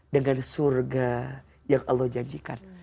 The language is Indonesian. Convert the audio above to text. dengan surga yang allah janjikan